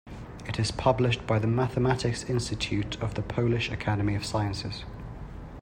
It is published by the Mathematics Institute of the Polish Academy of Sciences.